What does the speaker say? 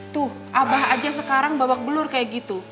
tuh abah aja sekarang babak belur kayak gitu